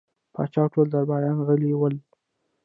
پاچا او ټول درباريان غلي ول.